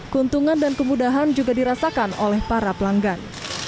keuntungan dan kemudahan juga dirasakan oleh para pelanggan